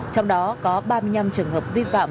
trong đó có ba mươi năm trường hợp vi phạm